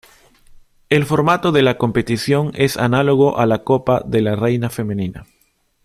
El formato de la competición es análogo a la Copa de La Reina femenina.